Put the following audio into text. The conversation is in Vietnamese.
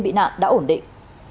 bị nạn đã ổn định